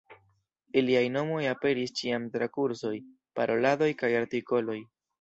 Iliaj nomoj aperis ĉiam tra kursoj, paroladoj kaj artikoloj.